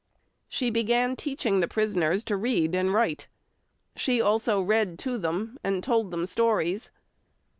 She began teaching the prisoners to read and write; she also read to them, and told them stories.